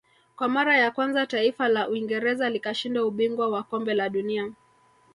Kwa mara ya kwanza taifa la Uingereza likashinda ubingwa wa kombe la dunia